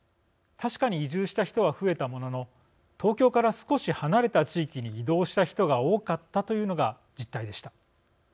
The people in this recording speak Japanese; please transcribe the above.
確かに移住した人は増えたものの東京から少し離れた地域に移動した人が多かったというのが実態でした。